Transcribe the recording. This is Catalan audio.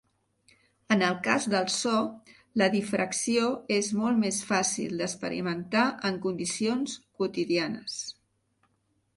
En el cas del so la difracció és molt més fàcil d'experimentar en condicions quotidianes.